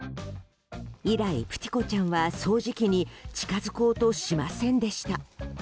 以来ぷてぃこちゃんは、掃除機に近づこうとしませんでした。